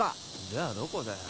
じゃあどこだよ。